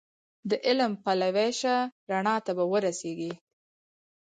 د علم پلوی شه رڼا ته به ورسېږې